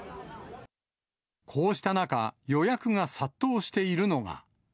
こうした中、予約が殺到しているのが。